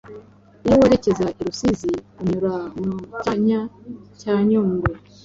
Iyo werekeza i Rusizi unyura mu Cyanya cya Nyungwe